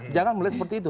jangan melihat seperti itu